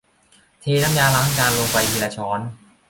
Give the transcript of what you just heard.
เทน้ำยาล้างจานลงไปทีละช้อน